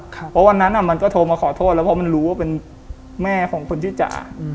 เพราะวันนั้นมันก็โทรมาขอโทษแล้วเพราะมันรู้ว่าเป็นแม่ของคนชื่อจ่า